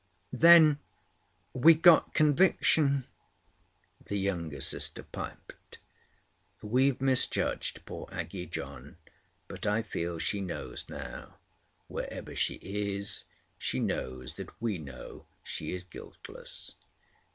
"Then we got conviction," the younger sister piped. "We've misjudged poor Aggie, John. But I feel she knows now. Wherever she is, she knows that we know she is guiltless."